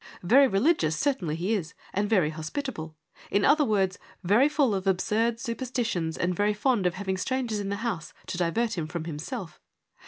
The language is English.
Very religious certainly he is and very hospitable : in other words, very full of absurd superstitions and very fond of having strangers in the house to divert him from himself.